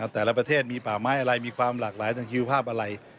แต่ละประเทศมีป่าไม้อะไรมีความหลากหลายทางคิวภาพอะไร